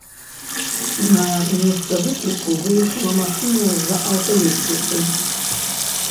На месца выкліку выехала машына з аўталесвіцай.